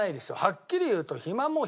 はっきり言うと暇も暇。